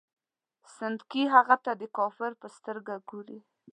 سنډکي هغه ته د کافر په سترګه ګوري.